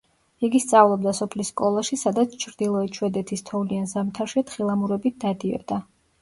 იგი სწავლობდა სოფლის სკოლაში, სადაც ჩრდილოეთ შვედეთის თოვლიან ზამთარში თხილამურებით დადიოდა.